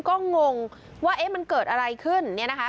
ก็งงว่าเอ๊ะมันเกิดอะไรขึ้นเนี่ยนะคะ